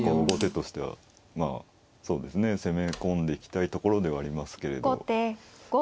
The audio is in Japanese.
後手としてはそうですね攻め込んでいきたいところではありますけれど。